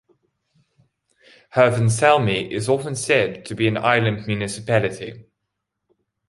Hirvensalmi is often said to be an island municipality.